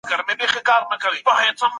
لویه جرګه څنګه د ولس باور ترلاسه کوي؟